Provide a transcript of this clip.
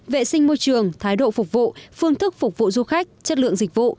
vệ sinh môi trường thái độ phục vụ phương thức phục vụ du khách chất lượng dịch vụ